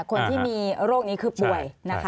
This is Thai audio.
คนที่มีโรคนี้คือป่วยนะคะ